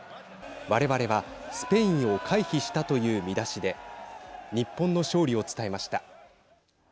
我々はスペインを回避したという見出しで日本の勝利を伝えました。